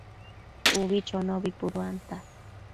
Ubi chonobi puduanta